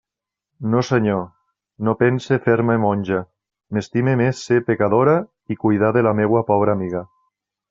No senyor; no pense fer-me monja; m'estime més ser pecadora i cuidar de la meua pobra amiga.